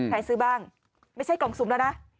ซื้อบ้างไม่ใช่กล่องซุมแล้วนะ